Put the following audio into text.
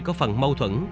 có phần mâu thuẫn